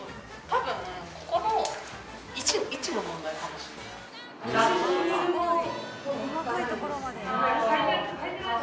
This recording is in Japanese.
多分ここの位置の問題かもしれない。